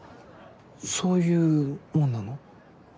そういうもんなの？